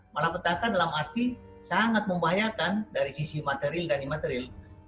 malah petaka dalam arti sangat membahayakan dari sisi material dan imaterial